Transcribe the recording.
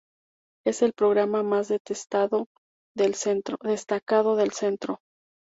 Es el programa más destacado del centro.